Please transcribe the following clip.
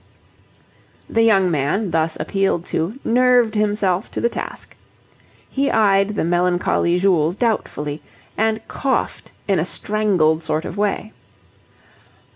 The young man, thus appealed to, nerved himself to the task. He eyed the melancholy Jules doubtfully, and coughed in a strangled sort of way.